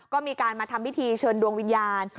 ก็มีการมาทำพิธีเชิญดวงวิญญาณ